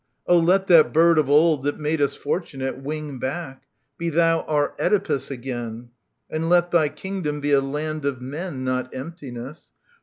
Oh, let That bird of old that made us fortunate Wing back ; be thou our Oedipus again. And let thy kingdom be a land of men. Not emptiness.